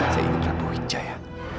saya ingin rapuh hijaya